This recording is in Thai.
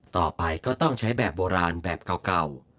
ต่อไปก็ต้องใช้แบบโบราณแบบเก่า